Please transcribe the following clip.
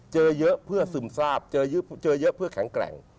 เจอเยอะเพื่อซึมทราบเจอเยอะเพื่อแข็งแกร่ง